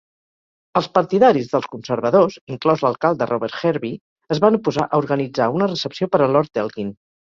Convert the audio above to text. Els partidaris dels conservadors, inclòs l'alcalde Robert Hervey, es van oposar a organitzar una recepció per a Lord Elgin.